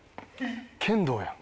剣道やん。